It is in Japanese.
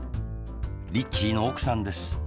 リッチーのおくさんです